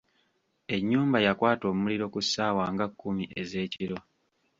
Enyumba yakwata omuliro ku ssaawa nga kkumi ez’ekiro.